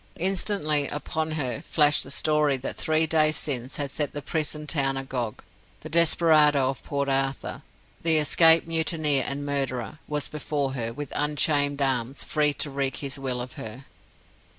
Instantly upon her flashed the story that three days since had set the prison town agog. The desperado of Port Arthur, the escaped mutineer and murderer, was before her, with unchained arms, free to wreak his will of her.